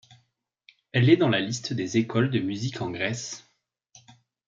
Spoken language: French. Elle est dans la liste des écoles de musique en Grèce.